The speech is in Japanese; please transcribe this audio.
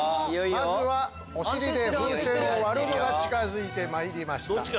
まずはお尻で風船を割るのが近づいてまいりました。